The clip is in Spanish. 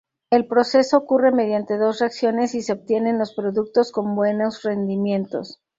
El proceso ocurre mediante dos reacciones y se obtienen los productos con buenos rendimientos.